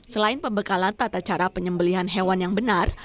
selain pembekalan tata cara penyembelian hewan yang benar